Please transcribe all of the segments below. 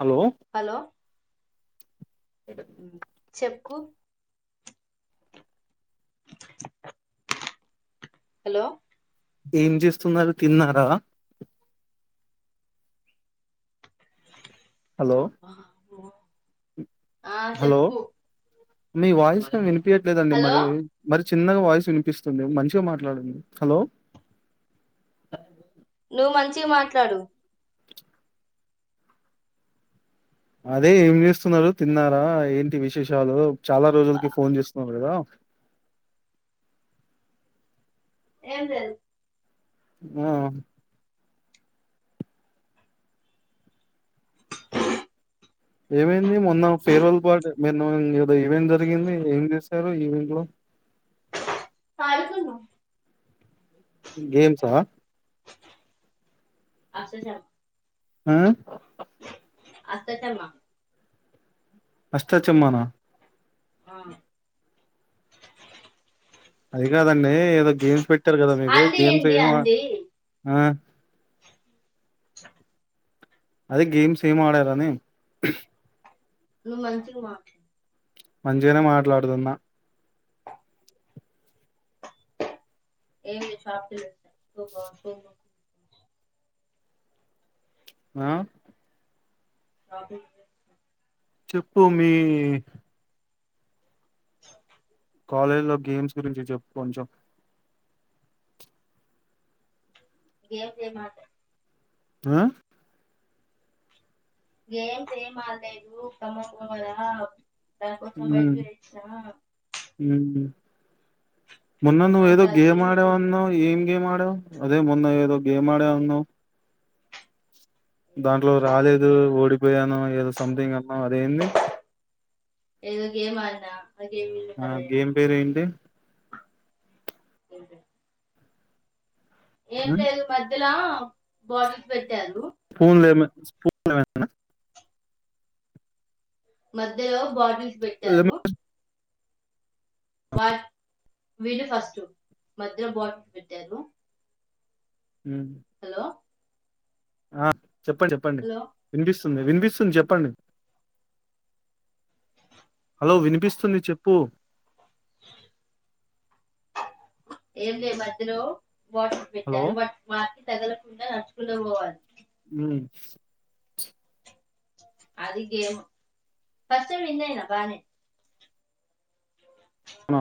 Hello చెప్ hello ఏం చేస్తున్నారు తిన్నారా హలో ఒ ఆ హలో చెప్పు మీ వాయిస్ను విని పియట్లేదండి హలో మరి మరి చిన్నగా వాయిస్ వినిపిస్తుంది మంచిగా మాట్లాడుండి హలో నువ్వు మంచిగా మాట్లాడు అదే ఏం చేస్తున్నారు తిన్నారా ఏంటి విశేషాలు చాలా రోజులకి ఫోన్ చేస్తున్నారు కదా ఏంటది ఆ ఏమైంది మొన్న ఫేర్వెల్ పార్ట్ మెన్న ఏదో ఈవెంట్ జరిగింది ఏం జేశారు ఈవెంట్ లో. ఆడుకున్నాం గేమ్సా అసేసాం ఆ అత్త చెమ్మా అష్టాచెమ్మనా హ అది కాదండి ఏదో గేమ్స్ పె ట్టరు కదా మీకు అండి గేమ్స్ ఏంది ఏమా అండి ఆ అదే గేమ్స్ ఏమాడారని. నువ్ మంచిగ్ మాట్లు మంచిగనే మాట్లాడుతున్న [unintelligible] [inaudible] అ [unintelligible] చెప్పు మీ కాలేజ్ లో గేమ్స్ గురించి జెప్ కొంచెం. గేమ్సే మాట అ గేమ్సేమ్ ఆల్లేదు కమ్కుకొమ్మగా. దాన్ కోసం బైట్ జేయిచ్చినా. ఉమ్ మొన్న నువ్వేదో మమతాకి మెసేజ్ గేమాడవన్నావ్ ఏం గేమాడవ్. అదే మొన్న ఏదో గేమాడ అన్నావ్ దాంట్లో ఏదో రాలేదు గేమ్ ఓడిపోయాను ఏదో సంథింగ్ అన్నావ్ అద్. దేంది ఏదో గేమాన్నా ఆ గేమ్ పేరేంటి. ఏం ఆ? లేదు మధ్యలా బాటిల్స్ పెట్టారు పూన్ లెమె స్పూన్ లెమెనా. మధ్యలో బాటిల్ పెట్టారు లెమన్ వాట్ విను ఫస్టు మధ్య లో బాటిల్స్ పెట్టారు. ఉమ్ హలో ఆ చెప్పండి చెప్పండి హలో వినిపిస్ వినిపిస్తుంది చెప్పండి హలో వినిపిస్తుంది చెప్పు ఏం లే మధ్యలో బాటిల్ హలో పెట్టారు దానికి నడుచుకుంట పోవాలి హ్మ్ అది గేమ్ ఫస్ టైమ్ విన్ అయిన బానే అ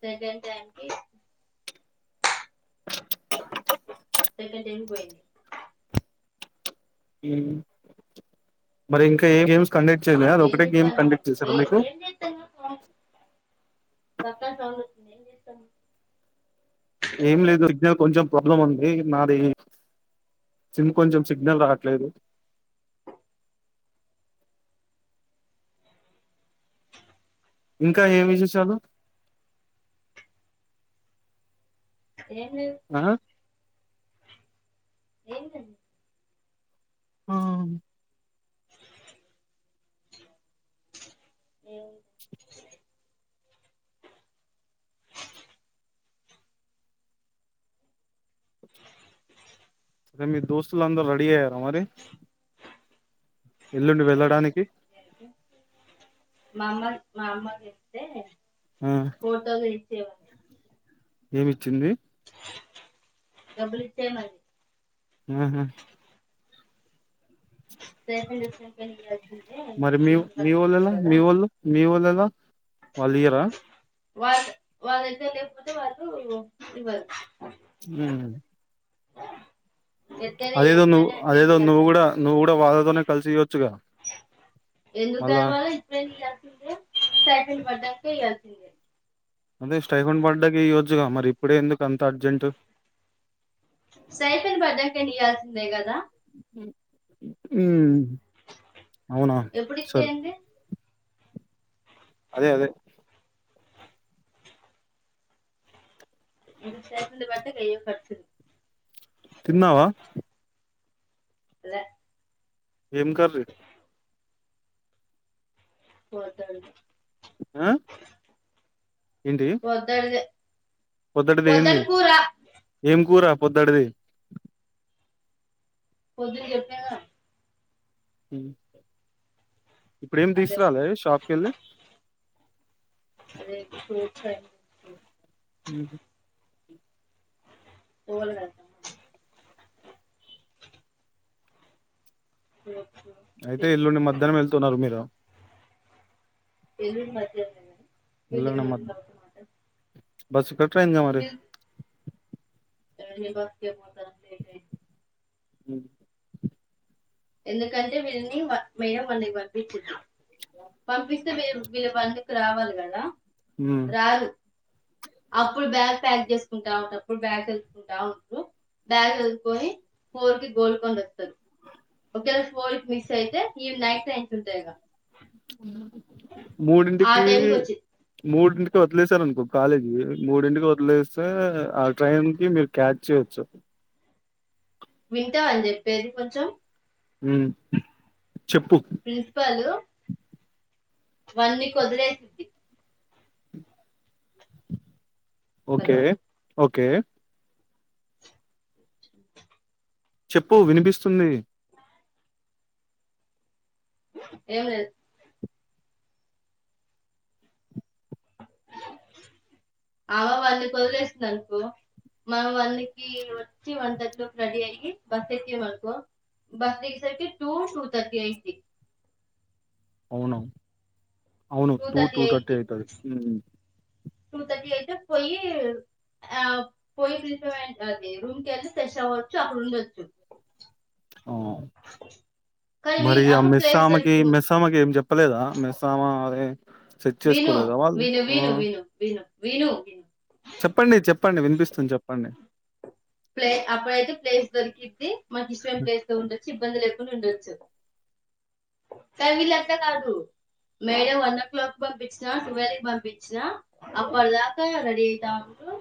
సెకండ్ టైమ్కి సకేరు పోయింది మరి ఇంకా ఏం గేమ్స్ కండక్ట్ చేయలే అది ఏం ఒకటే గేమ్ చెప్తాను కండక్ట్ చేసారా మీకు ఏం చేస్తాను పక్కన సౌండ్ వచ్చింది ఏం చేస్తున్నావు ఏం లేదు సిగ్నల్ కొంచెం ప్రాబ్లం ఉంది నాది సిమ్ కొంచెం సిగ్నల్ రావట్లేదు ఇంకా ఏమి విశేషాలు ఏం లేదు ఆ ఏంటండి అమ్ అ మీ దోస్తుల అందరు రెడీ అయ్యార మరి ఎల్లుండి వెళ్ళడానికి మామ్మ మా అమ్మ గతే ఆ పోతది సవ ఏమిచ్చింది డబ్బులి ఇచ్చే మరి ఆహా మరి మీ మీ వోళ్ళెలా కదా మీ [inaudible] వోళ్ళు మీ వోళ్ళెలా వాళ్ళు ఇయ్యారా వాళ్ళ వాళ్ళ ఇగ లేకపోతే వాళ్ళు ఇవ్వరు ఆ ఎట్యినా నువ్వు ఎప్పుడైనా ఎట్ అదేదో నువ్వు కూడా చేయాల్సింది నువ్వు కూడా వాళ్ళతోనే కలిసి ఇయ్యొచ్చుగా ఎందుక మళ్ళా వాళ ఇప్పుడేం చేయాల్సింద స హ మదా క అసి అదే స్టైఫండ్ పడ్డాకి ఇయొచ్చుగా మరి ఇప్పుడే ఎందుకు అంత అర్జెంటట్ స్కైఫండ్ పడ్డాక అయిన ఇయ్యాల్సింది కదా హ ఉ అవునా ఎప్పుడు ఇస్తే సరే ఏంది అదే అదే ఇది సేంది బతా కైే పరచదు తిన్నావా లే ఏం కర్రీ [unintelligible] ఆ ఏంటి పొద్దుడు పొద్దుటిదిేయింది పొద్దుడు కూర ఏం కూర పొద్దడిది పొద్దున చెప్పినా కదా [inaudible] ఇప్పుడేమి అదే కూర. తీసురాలి షాప్కి వెళ్ళి అదే [inaudible] పోలగా [inaudible] అయితే ఎల్లుండి మధ్యాహ్నం వెళ్తున్నారు మీరు ఎల్ మధు వీడేమంటునడు బస్ ఇక్క [unintelligible] ఎన్ని బస్ క పోత లే [inaudible] ఎందుకంటే విళ్ని మేడం వాన్ని పంపించింది పంపిస్తే వరు వీళ్ళ పంకి రావాలి కదా మ్మ్. రాలు అప్పుడు బ్యాగ్ ప్యాక్ చేసుకుంటా ఉంటప్పుడు బ్యాగ్ చదుసుకుంటా ఉంటారు బ్యాగ్ చదుసుకొని ఫోర్ కి గోల్కొండ వస్తారు వల్డ్ మిస్ అయితే ఈవి నైట్ ట్రైన్స్ ఉంటాయి ఇక మూడింటికి టైంకి వచ్చి మూడింటికి వదిలేసారు అనుకో కాలేజీ మూడింటికి వదిలేస్తే ఆ ట్రైన్ కి మీరు క్యాచ్ చేయొచ్చు వింటా అని చెప్పేది కొంచెం అ ప్రిన్సిపాలు వన్ వీక్ వదిలే ఓకే హలో ఓకే చెప్పు వినిపిస్తుంది ఏవ అమ వాళని వదిలేసింది అనుకో మన వాళ్ళకి వచ్చి వన్ థర్టీ లో రెడీ అయి బస్ ఎక్కం అనుకో బస్ ఎగేసరికి టూ టూ థర్టీ అయింది అవును అవును టూ టూ థర్టీ అయితుది ఉ టూ థర్టీ అయితే పోయి ఆ పోయి ఫ అది రూమ్ క వెళ్ళి ఫ్రెష్ అవ్వచ్చు అక్కడ ఉండోచ్చు ఆ కానీ వీ మరి ఆ అప్పుడు ప్లేస్ మేస్సామకి దొరికింది మెస్సామకి ఏం చెప్పలేదా మెస్సామ అరే సెట్ విను చేసుకోలేదా వాళ్ళు విను విను విను విను విను చెప్పండి చెప్పండి వినిపిస్తుంది చెప్పండి ప్లే అప్పుడైతే ప్లేస్ దొరికింది మాకి ఇష్టమైన ప్లేస్ లో ఉండొచ్చు ఇబ్బంది లే ఉండచ్చు కానీ వీళ్ళు అట్లా కాదు మేడం వన్ ఓ క్లాక్ పంపించిన ట్వల్వ్ పంపించిన అప్పటిదాకా రెడీ అయితా ఉంటరు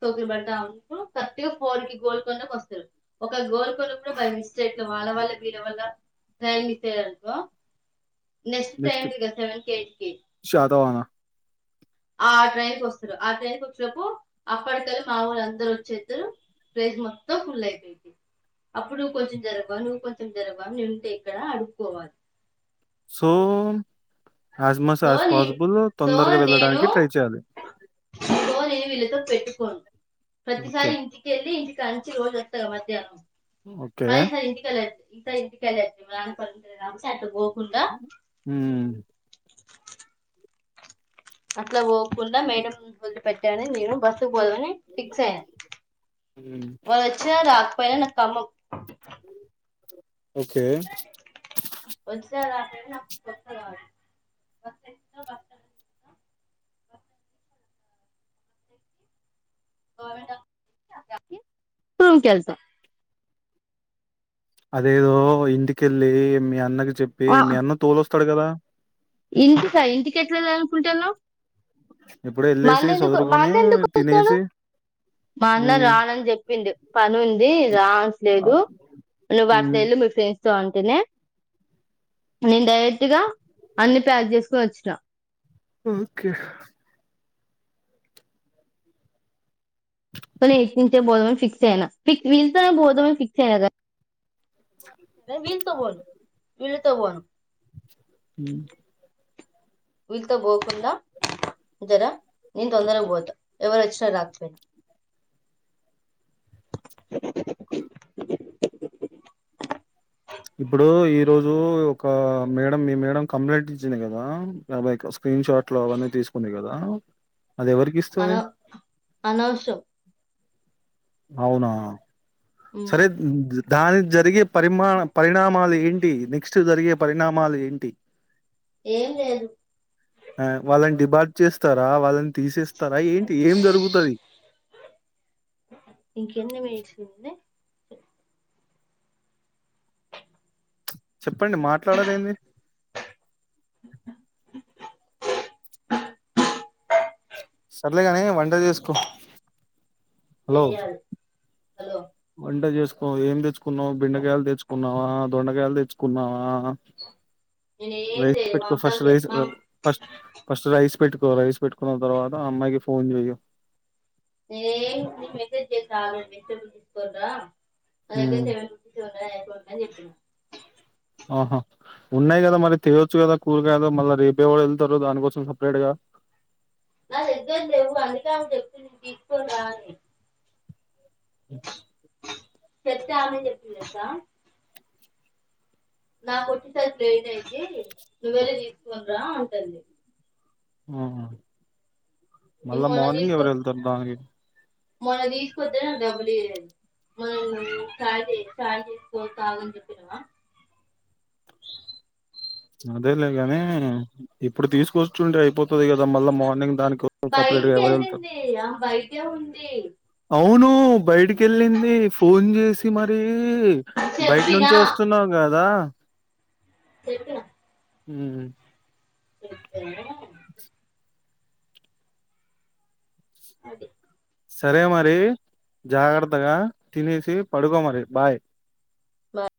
సోకులు పడతా ఉంటరూ ఫోర్ కి గోల్కొండ వస్తరు ఒక గోల్కొండ కూడా బై మిస్టేక్ ల వాళ్ళ వల్ల వీళ్ళ వల్ల ట్రైన్ మిస్ అయ్యరు అనుకో నెక్స్ట్ ట్రైన్ ఉందిగా సెవెన్ కి ఎయిట్ కి శాతవాన ఆ ట్రైన్ కి వస్తరు ఆ ట్రైన్ కి వచ్చినప్పు అప్పడికళ్ళ మావొళ్ళు అందరూ వచ్చేత్తరు ప్లేస్ మొత్తం ఫుల్ అయిపోద్ది అప్పుడు నువ్వు కొంచెం జరగవ నువ్వు కొంచెం జరగవ ఉంటే ఇక్కడ అడుక్కోవాలి so as much so as నే పాజిబుల్ సో తొందరగా నేను వెళ్ళడానికి ట్రై చేయాలి నేను వీళ్ళతో పెట్టుకోను ప్రతిసారి ఓకే ఇంటికెళ్ళి ఇంటికి ంచి కి రోజు అత్తర మధ్యాహ్నం ఓకే అయిపోయే ఇంటికేల ఇంకా ఇంటికి వెళ్లే [inaudible] గో మ్ అట్లా పోకుండా మేడం వదిలి పెట్టి అయినా మీరు బస్ పోదాం అని ఫిక్స్ అయినా హ్మ్ వాళ్ళు వచ్చిన రా ఖమ్మమ్ ఓకే వచ్చినా రాకపోయినా నాకు కొత్త కాదు బస్ ఎక్కుతా బస్ స్టాండ్ దిగుతా బస్ స్టాండ్ రూమ్ కెళ్తాము అదేదో ఇంటికెళ్ళి మీ అన్నకి చెప్పి ఆ మీ అన్న తోల డుగదా ఇంటికా ఇంటికి ఎట్లాలనుకుంటనవ్ ఎప్పుడో మా ఎళ్ళేసి అన్న ఎందుకు మా సదురుకొని అన్న ఎందుకు వస్తడు తినేసి మా అన్న హ్మ్ రానని చెప్పిండు పని ఉంది ఆ రావట్లేదు నువ్వు అట్లా హ్మ్ వెళ్ళు మీ ఫ్రెండ్స్ స అంటేనే నేను డైరెక్ట్ గా అన్ని ప్యాక్ చేసుకొని వచ్చినా ఓకే ఇటునుంచే పోదాం అని ఫిక్స్ అయినా ఫిక్స్ వీళ్ళతోనే పోదాం అని ఫిక్స్ అయినా కదా వీళ్ళ తో తో పోదాం హ వీళ్ళతో పోకుండా జర నేను తొందరగా పోతా ఎవరు వచ్చినా రాకపోయినా ఇప్పుడు ఈరోజు ఒక మేడం మీ మేడం కంప్లైంట్ ఇచ్చింది కదా [unintelligible] స్క్రీన్ షాట్లు అవన్నీ తీసుకుంది కదా అది ఎవరికి ఇస్తాది అనౌసు అవునా ఉమ్, సరే [unintelligible] దానికి జరిగే పరిమా పరిణామాలు ఏంటి నెక్స్ట్ జరిగే పరిణామాలు ఏంటి ఏం లేదు అ వాళని డిబా చేస్తారా వాళ్ళని తీసేస్తారా ఏంటి ఏం జరుగుతది ఇంకెన్ని మి [unintelligible] చెప్పండి మాట్లాడరేంది సర్లేగాని వంట చేసుకో హలో చెయ్యాలి వంట చేసుకో ఏం తెచ్చు కున్నావ్ బెండకాయలు తెచ్చుకున్నావా దొండగాయలు తెచ్చుకున్నావా నేను ఏం రైస్ చేయలేదు పెట్కో ఫస్ట్ మమతాకి రైస్ మమ్- ఫస్ట్ ఫస్ట్ రైస్ పెట్టుకో రైస్ పెట్టుకున్ తరువాత ఆ అమ్మాయికి ఫోన్ చెయ్యు [inaudible] మెసేజ్ చేయ్ చాలు వెజిటబుల్ తీసుకోని రా అదైతే హ్మ్ సెవన్ రూపీసు [inaudible] ఎట్లున్నా చెప్పి ఆహా ఉన్నాయి కదా మరి తేవచ్చు కదా కూరగాయలు మళ్ళ రేపేవరు వెళ్ళారు దానికోసం సపరేట్ గా నా దగ్గర లెవ్వు అందుకే ఆమె చెప్పింది నేను తీసుకొని రా అని చెప్తే ఆమె ఏం చెప్పింది తెలుసా నాకు వొచ్చేసరికి లేట్ అయిద్ది నువ్వెళ్ళి తీసుకొని రా అంటాంది ఆ నేను మళ్ళా మొన్న మార్నింగ్ తీసుకొ ఎవరు వెళ్తారు దానికి మొన్న తీసుకొతేే డబ్బులు [inaudible] చేసుకో తాగు అని చెప్పినా సరేలే గాని ఇప్పుడు తీసుకొచ్చుంటే అయిపో గా ఎవరు వెళ్తారు బయటికెళ్ళింది ఆమె బయటే ఉంది అవును బయటి కెళ్ళింది ఫోన్ చేసి మరీ బయట చెప్పినా నుంచే వస్తున్నావు కదా చెప్పిన ఉమ్ ఇ అది సరే మరి జాగ్రత్తగా తినేసి పడుకోమరి బాయ్ బాయ్